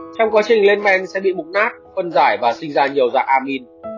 trong quá trình lên men sẽ bị bụng nát phân giải và sinh ra nhiều dạng amin